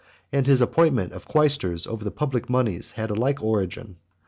And his appointment of quaestors over the public moneys had a like origin.